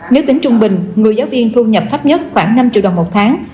nếu tính trung bình người giáo viên thu nhập thấp nhất khoảng năm triệu đồng một tháng